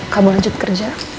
kamu lanjut kerja